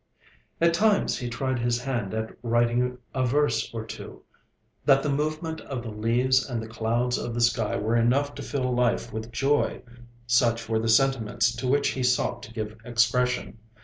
At times he tried his hand at writing a verse or two. That the movement of the leaves and the clouds of the sky were enough to fill life with joy such were the sentiments to which he sought to give expression.